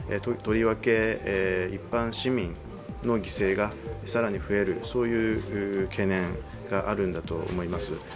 とりわけ一般市民の犠牲が更に増えるそういう懸念があるんだと思います。